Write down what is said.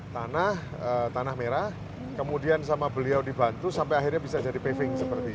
tanah tanah merah kemudian sama beliau dibantu sampai akhirnya bisa jadi paving seperti itu